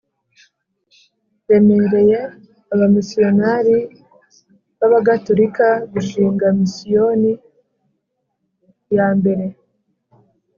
remereye abamisiyonari b Abagatolika gushinga misiyoni ya mbere